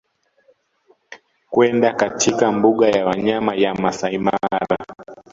kwenda katika mbuga ya wanyama ya Masaimara